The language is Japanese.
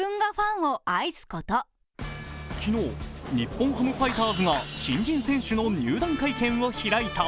昨日、日本ハムファイターズが新人選手の入団会見を開いた。